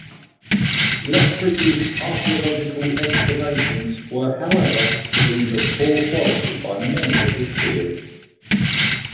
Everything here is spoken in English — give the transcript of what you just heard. Lethbridge's archaeological excavations were however deemed of poor quality by many of his peers.